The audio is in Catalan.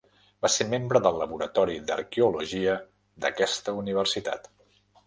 Va ser membre del laboratori d'Arqueologia d'aquesta Universitat.